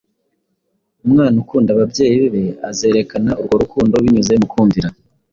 Umwana ukunda ababyeyi be azerekana urwo rukundo binyuze mu kumvira